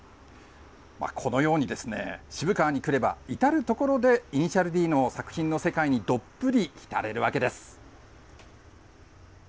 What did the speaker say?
このように、渋川に来れば、至る所で頭文字Ｄの作品の世界にどっぷり浸れるわけです。